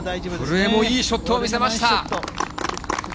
古江もいいショットを見せました。